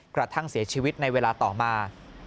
กระทั่งเสียชีวิตในเวลาต่อมา